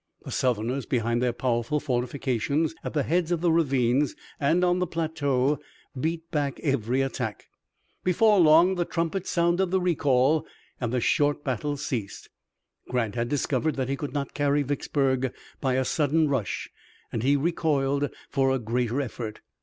The Southerners, behind their powerful fortifications at the heads of the ravines and on the plateau, beat back every attack. Before long the trumpets sounded the recall and the short battle ceased. Grant had discovered that he could not carry Vicksburg by a sudden rush and he recoiled for a greater effort.